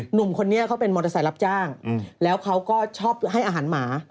หนุ่มคนนี้เขาเป็นมอเตอร์ไซค์รับจ้างแล้วเขาก็ชอบให้อาหารหมา